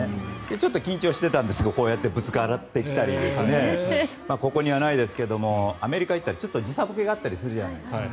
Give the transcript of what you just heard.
ちょっと緊張していたんですけどこうやってぶつかってきたりここにはないですがアメリカに行ったらちょっと時差ぼけがあるじゃないですか。